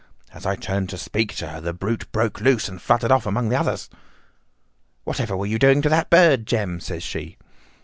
As I turned to speak to her the brute broke loose and fluttered off among the others. "'Whatever were you doing with that bird, Jem?' says she.